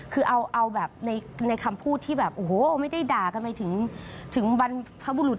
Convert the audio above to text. คือเอาแบบในคำพูดที่แบบโอ้โหไม่ได้ด่ากันไปถึงบรรพบุรุษ